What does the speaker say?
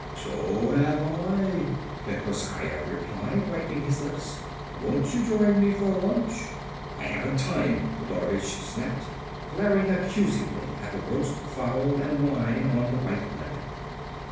"So have I," Plekoskaya replied, wiping his lips. "Won't you join me for lunch?" "I haven't time!" Kodorovich snapped, glaring accusingly at the roast fowl and wine on the white linen.